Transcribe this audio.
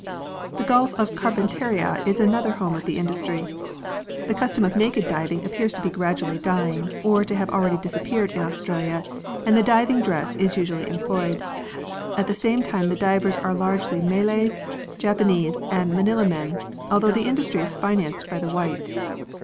The Gulf of Carpentaria is another home of the industry. The custom of naked diving appears to be gradually dying or to have already disappeared in Australia, and the diving dress is usually employed. At the same time the divers are largely Malays, Japanese, and Manila men, although the industry is financed by the Whites.